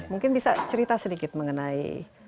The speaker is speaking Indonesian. mungkin bisa cerita sedikit mengenai